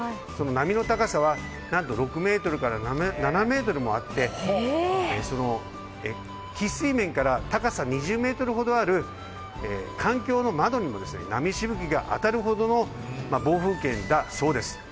波の高さは何と６メートルから７メートルもあって喫水面から高さ２０メートルほどある環境の窓にも波しぶきが当たるほどの暴風圏だそうです。